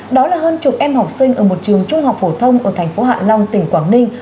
đó là hơn chục em học sinh ở một trường trung học phổ thông ở thành phố hạ long tỉnh quảng ninh